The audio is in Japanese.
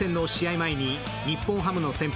前に日本ハムの先輩